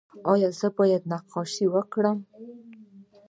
ایا زه باید نقاشي وکړم؟